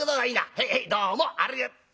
へいへいどうもありがと。